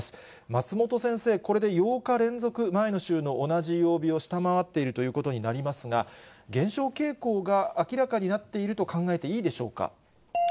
松本先生、これで８日連続、前の週の同じ曜日を下回っているということになりますが、減少傾向が明らかになっていると考えていいでしょうか。